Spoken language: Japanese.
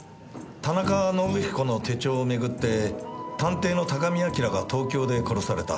田中伸彦の手帳を巡って探偵の高見明が東京で殺された。